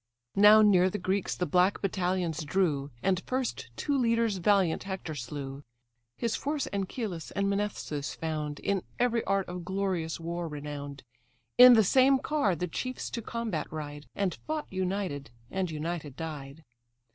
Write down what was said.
Now near the Greeks the black battalions drew; And first two leaders valiant Hector slew: His force Anchialus and Mnesthes found, In every art of glorious war renown'd; In the same car the chiefs to combat ride, And fought united, and united died.